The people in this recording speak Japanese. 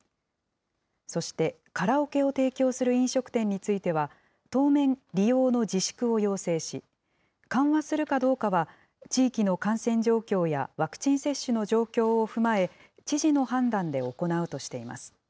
そして、カラオケを提供する飲食店については、当面、利用の自粛を要請し、緩和するかどうかは、地域の感染状況やワクチン接種の状況を踏まえ、知事の判断で行うとしています。